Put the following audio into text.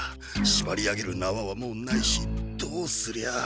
しばり上げるなわはもうないしどうすりゃあ。